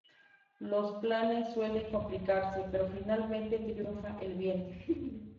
Los planes suelen complicarse, pero finalmente triunfa el bien.